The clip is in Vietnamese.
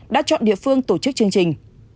đã chọn địa phương tổ chức chương trình